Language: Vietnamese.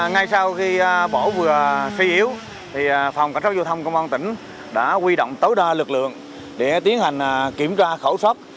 ngay sau khi bão vừa xui yếu thì phòng cảnh sát giao thông công an tỉnh đã huy động tối đa lực lượng để tiến hành kiểm tra khẩu số